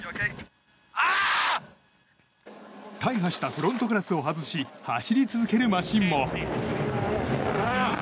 大破したフロントガラスを外し走り続けるマシンも。